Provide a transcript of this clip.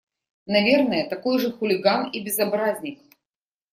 Наверное, такой же хулиган и безобразник.